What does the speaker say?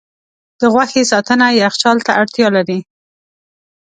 د غوښې ساتنه یخچال ته اړتیا لري.